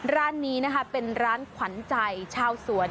ร้านนี้นะคะเป็นร้านขวัญใจชาวสวน